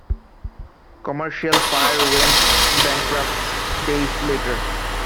Commercial Fire went bankrupt days later.